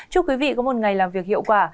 chúc quý vị có một ngày làm việc hiệu quả